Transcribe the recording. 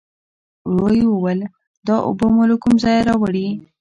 ورو يې وویل: دا اوبه مو له کوم ځايه راوړې؟